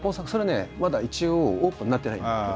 それはねまだ一応オープンになってない。